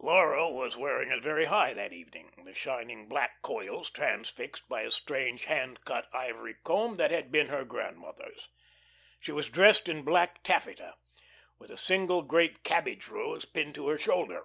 Laura was wearing it very high that evening, the shining black coils transfixed by a strange hand cut ivory comb that had been her grandmother's. She was dressed in black taffeta, with a single great cabbage rose pinned to her shoulder.